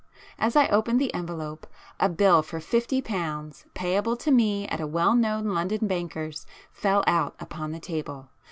As I opened the envelope, a bill for fifty pounds, payable to me at a well known London banker's, fell out upon the table.